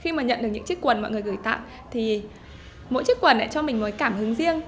khi mà nhận được những chiếc quần mọi người gửi tặng thì mỗi chiếc quần lại cho mình một cảm hứng riêng